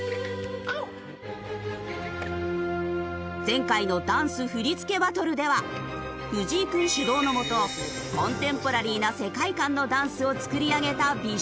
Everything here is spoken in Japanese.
前回のダンス振り付けバトルでは藤井君主導の下コンテンポラリーな世界観のダンスを作り上げた美少年。